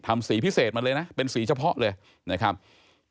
สีพิเศษมาเลยนะเป็นสีเฉพาะเลยนะครับ